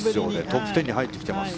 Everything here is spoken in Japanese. トップ１０に入っています。